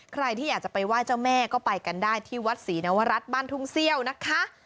ใครที่อยากจะไปไหว้เจ้าแม่ก็ไปกันได้ที่วัดศรีนวรัฐบ้านทุ่งเซี่ยวนะคะ